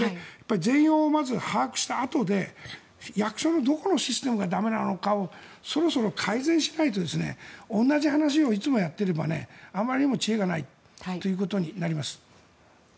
全容をまず把握したあとで役所のどこのシステムが駄目なのかをそろそろ改善しないと同じ話をいつまでもやっていればあまりにも知恵がないということになります。